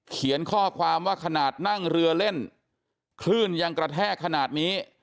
เขียนข้อความว่าขนาดนั่งเรือเล่นคลื่นยังกระแทกขนาดนี้